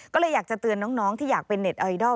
ก็เลยอยากจะเตือนน้องที่อยากเป็นเน็ตไอดอล